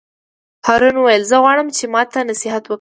هارون وویل: زه غواړم چې ماته نصیحت وکړې.